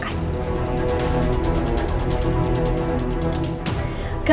saya ingin kehilangan si jendral